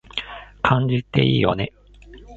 漢字っていいよね